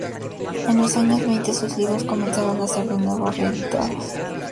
En los años veinte sus libros comenzaron a ser de nuevo reeditados.